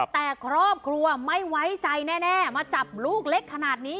แต่ครอบครัวไม่ไว้ใจแน่มาจับลูกเล็กขนาดนี้